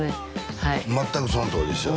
はい全くそのとおりでしょ？